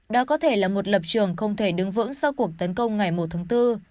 đó có thể là một lập trường không thể đứng vững sau cuộc tấn công ngày một tháng bốn